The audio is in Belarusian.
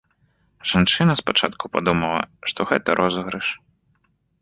Жанчына спачатку падумала, што гэта розыгрыш.